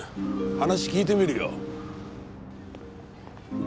話聞いてみるよ。